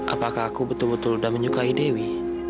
apakah aku betul betul sudah menyukai dewi